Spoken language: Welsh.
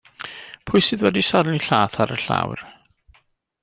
Pwy sydd wedi sarnu lla'th ar y llawr?